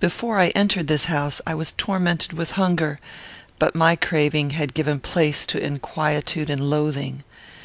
Before I entered this house, I was tormented with hunger; but my craving had given place to inquietude and loathing.